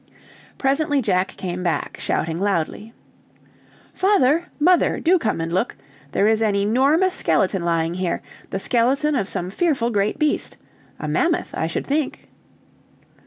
Presently Jack came back, shouting loudly: "Father! Mother! do come and look. There is an enormous skeleton lying here; the skeleton of some fearful great beast a mammoth, I should think."